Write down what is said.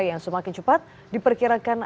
yang semakin cepat diperkirakan